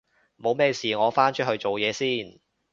冇咩事我返出去做嘢先